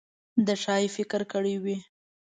ده ښايي فکر کړی وي.